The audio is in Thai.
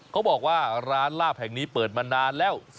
เขาบอกว่าร้านลาบแห่งนี้เปิดมานานแล้ว